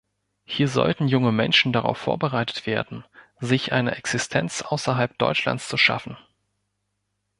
Hier sollten junge Menschen darauf vorbereitet werden, sich eine Existenz außerhalb Deutschlands zu schaffen.